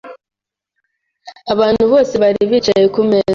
Abantu bose bari bicaye kumeza.